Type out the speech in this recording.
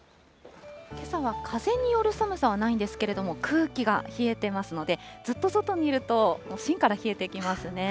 けさは風による寒さはないんですけれども、空気が冷えてますので、ずっと外にいると、しんから冷えてきますね。